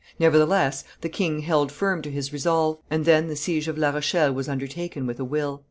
Nevertheless the king held firm to his resolve; and then the siege of La Rochelle was undertaken with a will."